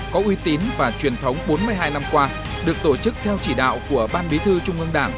có uy tín và truyền thống bốn mươi hai năm qua được tổ chức theo chỉ đạo của ban bí thư trung ương đảng